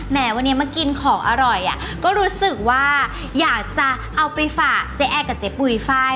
แม้วันนี้มากินของอร่อยอ่ะก็รู้สึกว่าอยากจะเอาไปฝากเจ๊แอร์กับเจ๊ปุ๋ยไฟล